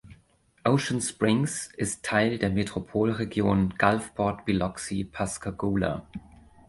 Ocean Springs ist Teil der Metropolregion Gulfport–Biloxi–Pascagoula.